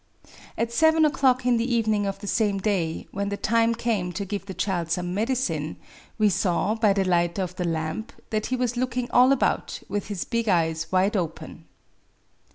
... At seven o'clock in the evening of the same day, when the time came to give the child some medicine, we saw, by the light of the lamp, that he was looking all about, with his big eyes wide open.